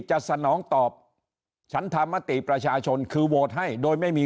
สนองตอบฉันธรรมติประชาชนคือโหวตให้โดยไม่มี